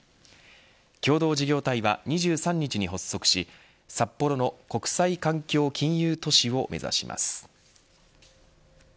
共同事業体は２３日に発足し札幌の国際環境金融都市を目指します。